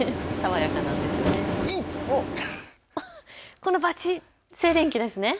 このバチッ、静電気ですね。